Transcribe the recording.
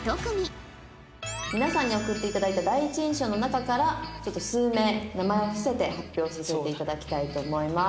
「皆さんに送っていただいた第一印象の中からちょっと数名名前を伏せて発表させていただきたいと思います」